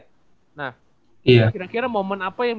nah kira kira momen apa yang